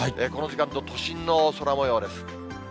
この時間の都心の空もようです。